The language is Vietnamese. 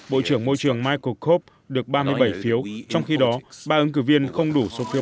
bộ trưởng môi trường michael kove được ba mươi bảy phiếu trong khi đó ba ứng cử viên không đủ số phiếu